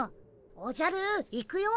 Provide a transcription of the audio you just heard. おじゃる行くよ。